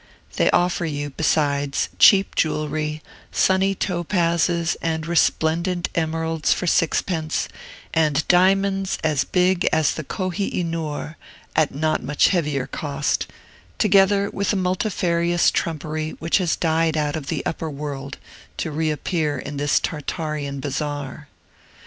They offer you, besides, cheap jewelry, sunny topazes and resplendent emeralds for sixpence, and diamonds as big as the Kohi i noor at a not much heavier cost, together with a multifarious trumpery which has died out of the upper world to reappear in this Tartarean bazaar.